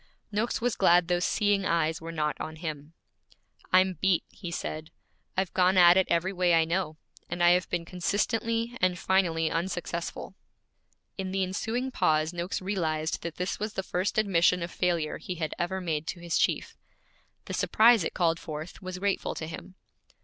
Noakes was glad those seeing eyes were not on him. 'I'm beat,' he said. 'I've gone at it every way I know, and I have been consistently and finally unsuccessful.' In the ensuing pause Noakes realized that this was the first admission of failure he had ever made to his chief. The surprise it called forth was grateful to him.